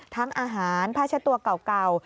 ทั้งอาหารพลาดชะตัวเก่า